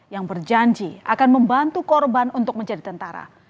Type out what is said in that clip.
yang berjanji akan membantu korban untuk menjadi tentara